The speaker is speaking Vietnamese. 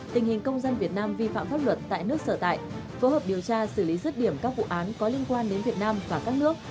tình hình công dân việt nam vi phạm pháp luật tại nước sở tại phối hợp điều tra xử lý rứt điểm các vụ án có liên quan đến việt nam và các nước